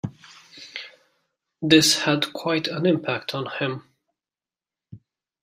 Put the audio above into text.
This had quite an impact on him.